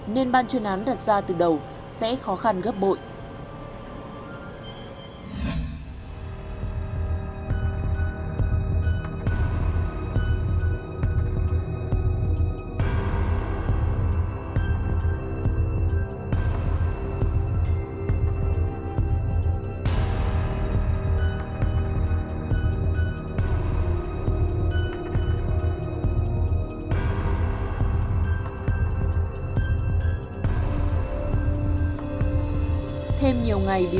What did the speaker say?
nên ban chuyên án đặt ra từ đầu sẽ khó khăn gấp bội